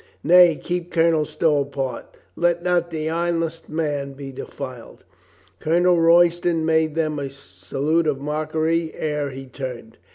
"Nay, keep Colonel Stow apart. Let not the honest man be defiled." Colonel Royston made them a salute of mockery ere he turned.